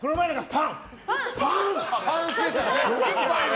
パンスペシャルね。